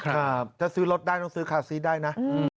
ถ้าซื้อรถได้ต้องซื้อคาซีสได้นะ